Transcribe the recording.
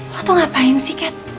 lu tuh ngapain sih kat